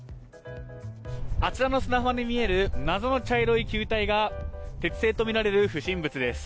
あちらの砂浜に見える謎の茶色い球体が鉄製とみられる不審物です。